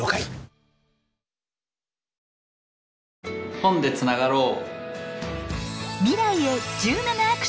本でつながろう！